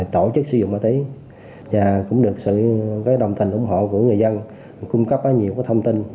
tổ chức sử dụng ma túy và cũng được sự đồng tình ủng hộ của người dân cung cấp nhiều thông tin